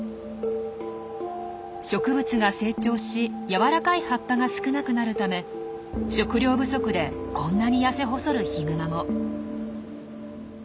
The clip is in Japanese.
植物が成長し軟らかい葉っぱが少なくなるため食料不足でこんなに痩せ細るヒグマも。